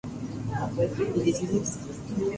Puede ser picante o no.